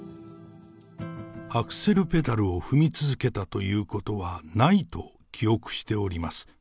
アクセルペダルを踏み続けたということはないと記憶しております。